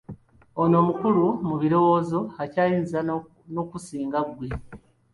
Ono mukulu mu birowoozo akyayinza n'okukusinga ggwe!